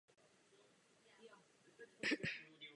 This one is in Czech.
Jeho projekt však nebyl realizován.